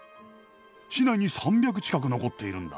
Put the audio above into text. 市内に３００近く残っているんだ。